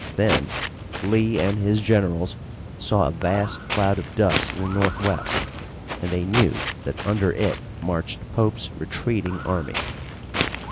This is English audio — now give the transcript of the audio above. Then Lee and his generals saw a vast cloud of dust in the northwest and they knew that under it marched Pope's retreating army.